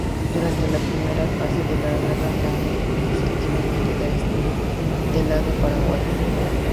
Durante la primera fase de la guerra la iniciativa militar estuvo del lado paraguayo.